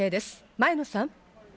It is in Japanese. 前野さん。